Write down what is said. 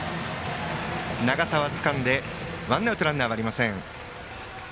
長澤がつかんでワンアウトランナーありません。